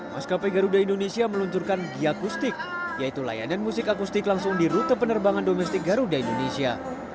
maskapai garuda indonesia meluncurkan giakustik yaitu layanan musik akustik langsung di rute penerbangan domestik garuda indonesia